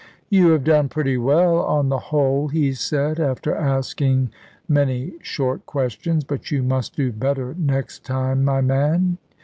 "You have done pretty well on the whole," he said, after asking many short questions; "but you must do better next time, my man.